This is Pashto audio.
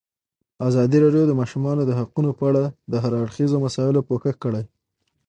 ازادي راډیو د د ماشومانو حقونه په اړه د هر اړخیزو مسایلو پوښښ کړی.